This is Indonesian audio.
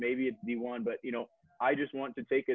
tapi gue cuma mau menangkan itu